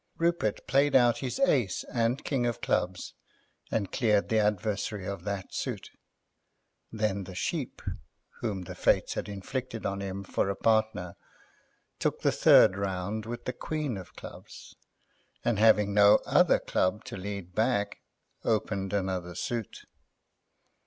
Rupert played out his ace and king of clubs and cleared the adversary of that suit; then the Sheep, whom the Fates had inflicted on him for a partner, took the third round with the queen of clubs, and, having no other club to lead back, opened another suit.